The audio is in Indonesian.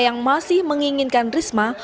yang masih menginginkan risma